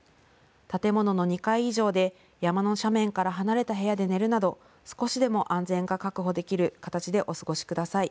建物の２階以上で山の斜面から離れた部屋で寝るなど少しでも安全が確保できる形でお過ごしください。